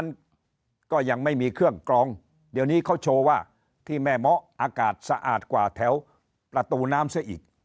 ในแม่เมาะอากาศสะอาดกว่าแถวประตูน้ำซ่ออีก